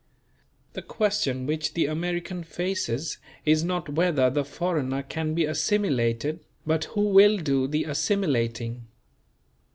The question which the American faces is not whether the foreigner can be assimilated, but who will do the assimilating.